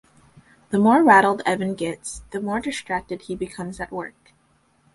The more rattled Evan gets, the more distracted he becomes at work.